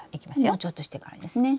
もうちょっとしてからですね。